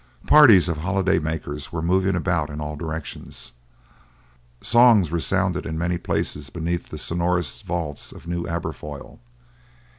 Parties of holiday makers were moving about in all directions. Songs resounded in many places beneath the sonorous vaults of New Aberfoyle.